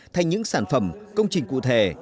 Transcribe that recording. thành những sản phẩm công trình cụ thể